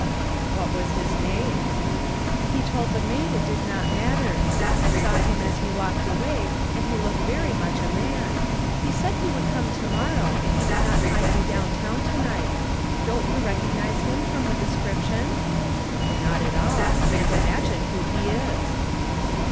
"What was his name?" "He told the maid it did not matter. I saw him as he walked away and he looked very much a man. He said he would come to morrow if he did not find you down town to night. Don't you recognize him from the description?" "Not at all. Can't imagine who he is."